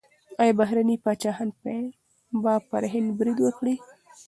ایا بهرني پاچاهان به پر هند برید وکړي؟